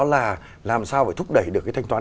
là làm sao phải thúc đẩy được cái thanh toán